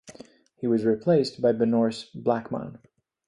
He was replaced by Benorce Blackmon.